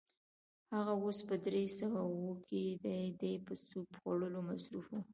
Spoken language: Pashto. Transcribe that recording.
هغه اوس په درې سوه اووه کې دی، دی په سوپ خوړلو مصروف و.